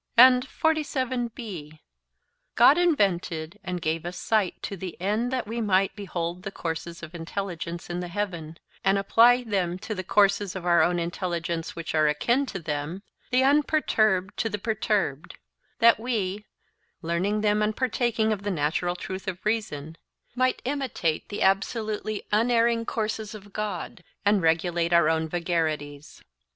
'God invented and gave us sight to the end that we might behold the courses of intelligence in the heaven, and apply them to the courses of our own intelligence which are akin to them, the unperturbed to the perturbed; and that we, learning them and partaking of the natural truth of reason, might imitate the absolutely unerring courses of God and regulate our own vagaries.